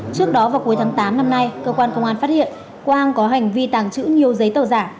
trước đó vào cuối tháng tám năm nay cơ quan công an phát hiện quang có hành vi tàng trữ nhiều giấy tờ giả